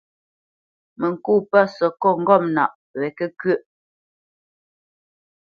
Mə ŋkô pə̂ səkôt ŋgɔ̂mnaʼ wɛ kə́kʉə́ʼ.